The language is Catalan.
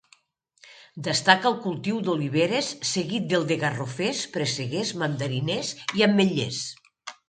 Destaca el cultiu d'oliveres seguit del de garrofers, presseguers, mandariners i ametllers.